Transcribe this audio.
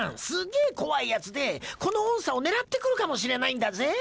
すげえ怖いやつでこの音叉を狙ってくるかもしれないんだぜ？